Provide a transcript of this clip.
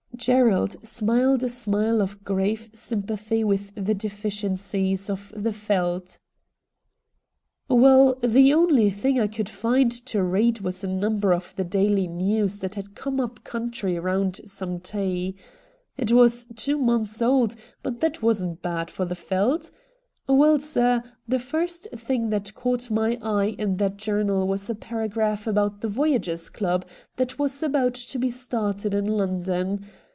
Gerald smiled a smile of grave ^sympathy with the deficiencies of the Yeldt. ' Well, the only thing I could find to read THE MAN FROM AFAR 41 was a number of the " Daily Xews " that had come up country round some tea. It was two months old, but that wasn't bad for the Veldt. Well, sir, the first thing that caught my eye in that journal was a paragraph about the Voyagers' Club that was about to be started in London.